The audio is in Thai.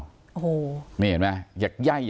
ดูเห็นไหมอยากแยกอยากค่ะ